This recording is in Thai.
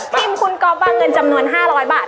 ทีมคุณพระโกงวางเงินจำนวน๓๐๐บาท